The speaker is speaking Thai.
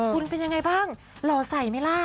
คุณเป็นยังไงบ้างหล่อใสไหมล่ะ